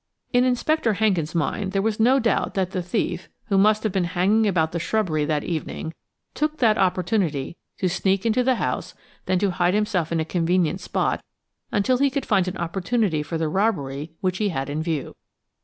In Inspector Hankin's mind there was no doubt that the thief, who must have been hanging about the shrubbery that evening, took that opportunity to sneak into the house, then to hide himself in a convenient spot until he could find an opportunity for the robbery which he had in view.